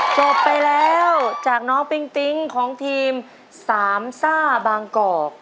จบไปแล้วจากน้องปิ๊งปิ๊งของทีมสามซ่าบางกอก